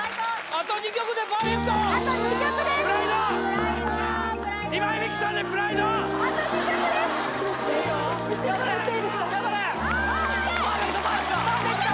あと２曲でパーフェクト！